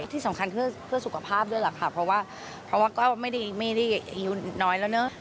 ไม่สำคัญเพื่อสุขภาพด้วยหรอกค่ะเพราะว่าก็ไม่ได้อิ้วน้อยแล้วเนอะ